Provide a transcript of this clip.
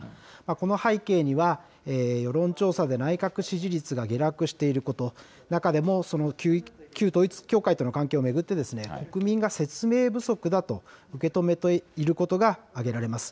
この背景には、世論調査で内閣支持率が下落していること、中でも旧統一教会との関係を巡って、国民が説明不足だと受け止めていることが挙げられます。